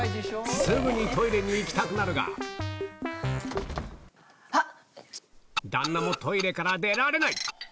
すぐにトイレに行きたくなるが旦那もトイレから出られない